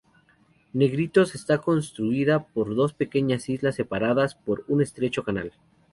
Negritos está constituida por dos pequeñas islas, separadas por un estrecho canal.